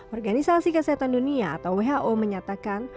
organisasi kesehatan dunia atau who menyatakan